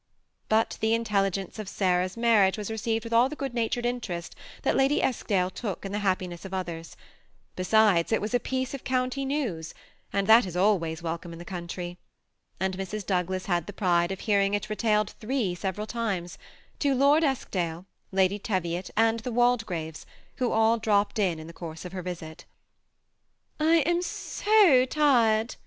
But the intelligence of Sarah's marriage was received with all the good natured interest that Lady Eskdale took in the happiness of others; besides, it was a piece of county news, and that is always welcome in the country: and Mrs. Douglas had the pride of hearing it retailed three several times, — to Lord Eskdale, Lady Teviot, and the Waldegraves, who all dropped in, in the course of her visit. *< I am so tired